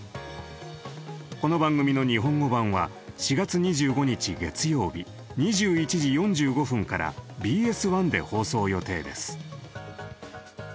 この番組の日本語版は４月２５日月曜日２１時４５分からＢＳ１で放送予定です。